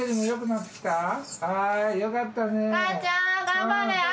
よかったね。